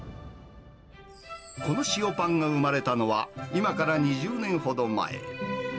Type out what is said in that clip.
この塩パンが生まれたのは今から２０年ほど前。